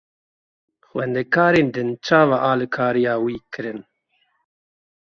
Xwendekarên din çawa alîkariya wî kirin?